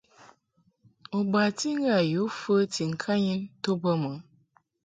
U bati ŋgâ yǔ fəti ŋkanyin to bə mɨ?